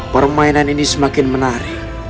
permainan ini semakin menarik